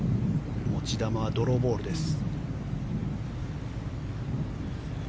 持ち球はドローボールです。